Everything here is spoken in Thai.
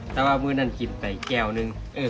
ตลอดเมื่อนั้นกินแต่แก้วนึงเออ